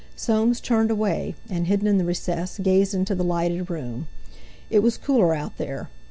Soames turned away, and, hidden in the recess, gazed into the lighted room. It was cooler out there.